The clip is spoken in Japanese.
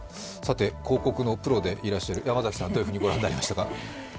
広告のプロでいらっしゃる山崎さん、どう御覧になりましたか？